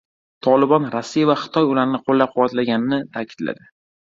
“Tolibon” Rossiya va Xitoy ularni qo‘llab quvvatlayotganini ta’kidladi